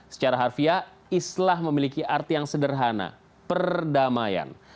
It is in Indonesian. secara harfiah islah memiliki arti yang sederhana perdamaian